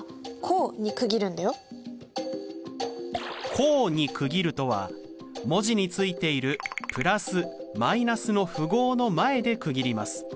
「項に区切る」とは文字についているプラスマイナスの符号の前で区切ります。